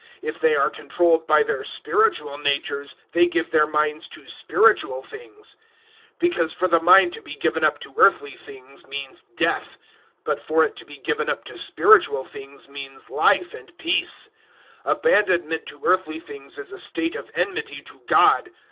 If they are controlled by their spiritual natures, they give their minds to spiritual things. 008:006 Because for the mind to be given up to earthly things means death; but for it to be given up to spiritual things means Life and peace. 008:007 Abandonment to earthly things is a state of enmity to God.